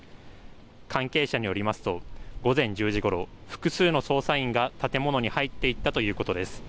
関係者によりますと午前１０時ごろ、複数の捜査員が建物に入っていったということです。